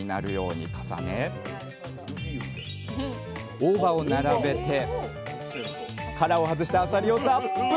大葉を並べて殻を外したあさりをたっぷり。